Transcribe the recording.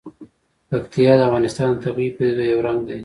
پکتیا د افغانستان د طبیعي پدیدو یو رنګ دی.